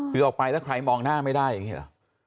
คือออกไปแล้วใครมองหน้าไม่ได้อย่างนี้หรอ